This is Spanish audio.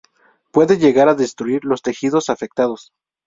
Puede llegar a destruir los tejidos afectados.